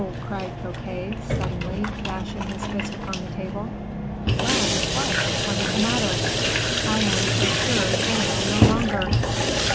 cried Fouquet, suddenly, dashing his fist upon the table. "Well! what? what is the matter?" "I am procureur general no longer."